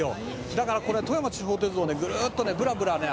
「だからこれ富山地方鉄道をねグルッとねぶらぶらね